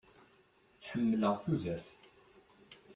Ḥemmleɣ tudert.